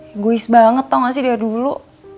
egois banget tau gak sih dari dulu